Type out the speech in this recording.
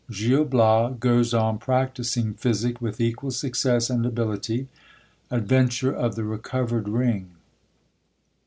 IV. — Gil Bias goes on practising physic with equal success and ability. Adventure of the recovered ring.